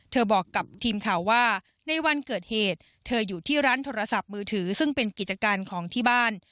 บอกกับทีมข่าวว่าในวันเกิดเหตุเธออยู่ที่ร้านโทรศัพท์มือถือซึ่งเป็นกิจการของที่บ้าน